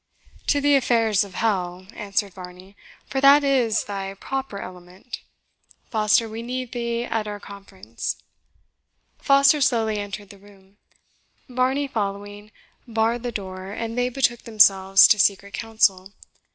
"To the affairs of hell," answered Varney, "for that is thy proper element. Foster, we need thee at our conference." Foster slowly entered the room. Varney, following, barred the door, and they betook themselves to secret council.